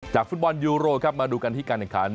จากฟุตบอลยูโรมาดูกันที่การแข่งขัน